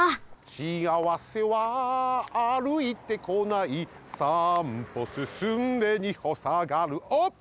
「しあわせは歩いてこない」「三歩進んで二歩さがる」おっ！